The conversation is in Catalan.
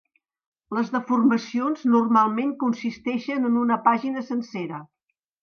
Les deformacions normalment consisteixen en una pàgina sencera.